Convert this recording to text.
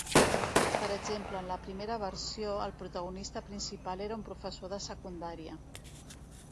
Per exemple, en la primera versió, el protagonista principal era un professor de secundària.